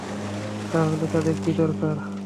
তাহলে তাদের কি দরকার?